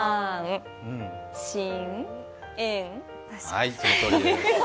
はい、そのとおりです。